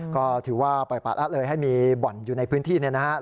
ก็ถือว่าปล่อยปะละเลยให้มีบ่อนอยู่ในพื้นที่เนี่ยนะครับ